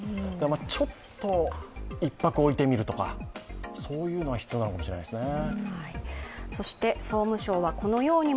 ちょっと一拍置いてみるとか、そういうのが必要なのかもしれないですね。